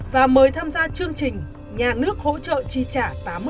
và mời tham gia chương trình nhà nước hỗ trợ chi trả tám